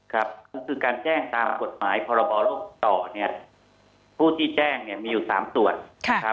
ครับคือการแจ้งตามกฎหมายพบโรคต่อผู้ที่แจ้งมีอยู่๓ตรวจ